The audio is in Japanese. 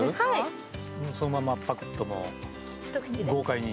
そのままぱくっと豪快に。